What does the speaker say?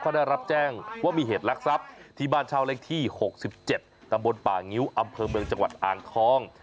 เขาได้รับแจ้งว่ามีเหตุลักษัพที่บ้านเช่าเลขที่๖๗ตำบลป่างิ้วอำเภอเมืองจังหวัดอ่างทอง